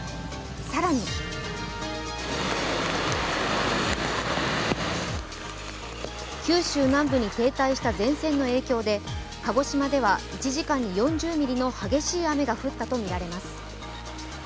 更に九州南部に停滞した前線の影響で鹿児島では１時間に４０ミリの激しい雨が降ったとみられます。